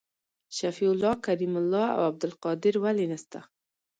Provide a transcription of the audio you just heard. شفیع الله کریم الله او عبدالقادر ولي نسته؟